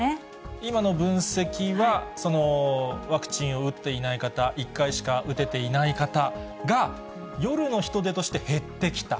今の分析は、ワクチンを打っていない方、１回しか打ててない方が、夜の人出として減ってきた。